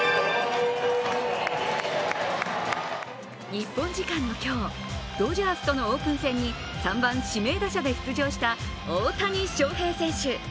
日本時間の今日、ドジャースとのオープン戦に３番・指名打者で出場した大谷翔平選手。